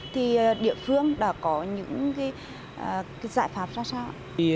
thì địa phương đã có những cái giải pháp ra sao